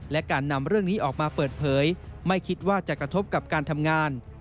และการนำเรื่องนี้ออกมาเปิดเผยไม่คิดว่าจะกระทบกับการทำงาน